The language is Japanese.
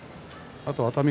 熱海